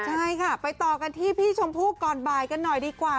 ใช่ค่ะไปต่อกันที่พี่ชมพู่ก่อนบ่ายกันหน่อยดีกว่า